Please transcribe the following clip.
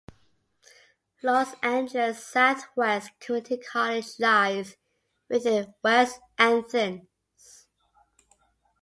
Los Angeles Southwest Community College lies within West Athens.